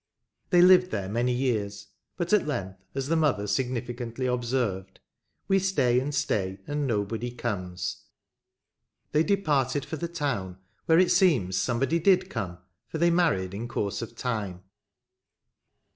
They lived there many years ; but at length, as the mother significantly observed, We stay and stay, and nobody comes,*' they departed for the town, where it seems some body did come, for they married in course of time.